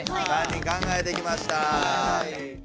３人考えてきました。